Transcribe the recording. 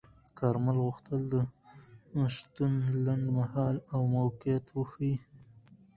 کارمل غوښتل د شتون لنډمهاله او موقت وښيي.